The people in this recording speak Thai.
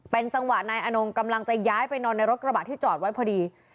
เป็นจังหวะนายอนงกำลังจะย้ายไปนอนในรถกระบะที่จอดไว้พอดี